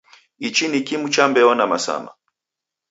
Ichi ni kimu cha mbeo na masama.